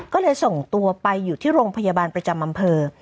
ก็เลยส่งตัวไปอยู่ที่โรงพยาบาลประจำอำเภอ